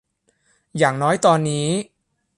อย่างน้อยตอนนี้